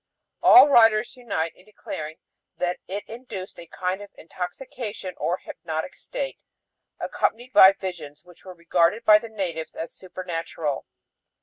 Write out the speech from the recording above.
"All writers unite in declaring that it induced a kind of intoxication or hypnotic state, accompanied by visions which were regarded by the natives as supernatural.